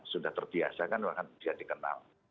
sudah terbiasa kan bahkan sudah dikenal